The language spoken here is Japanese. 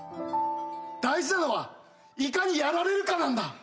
大事なのはいかにやられるかなんだ！